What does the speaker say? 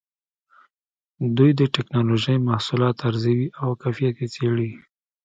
دوی د ټېکنالوجۍ محصولات ارزوي او کیفیت یې څېړي.